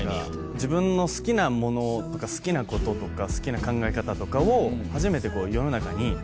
自分の好きなものとか好きなこととか好きな考え方とかを初めて世の中に。